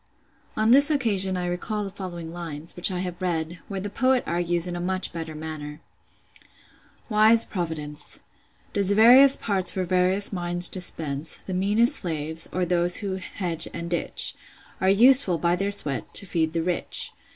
On this occasion I recall the following lines, which I have read; where the poet argues in a much better manner:— "——————Wise Providence Does various parts for various minds dispense: The meanest slaves, or those who hedge and ditch, Are useful, by their sweat, to feed the rich.